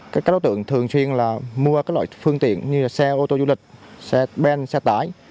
các đối tượng thường chuyên là mua các loại phương tiện như xe ô tô du lịch xe ben xe tái